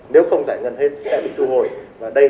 nếu không giải ngân hết sẽ bị thu hồi